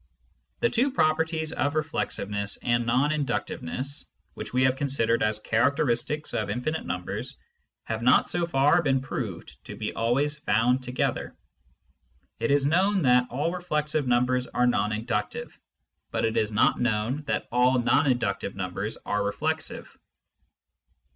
The two properties of reflexiveness and non inductive ness, which we have considered as characteristics of infinite numbers, have not so far been proved to be always found together. It is known that all reflexive numbers are non inductive, but it rs not known that all non inductive numbers are reflexive.